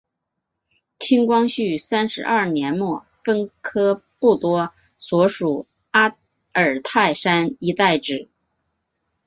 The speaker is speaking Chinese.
清光绪三十二年末分科布多所属阿尔泰山一带置。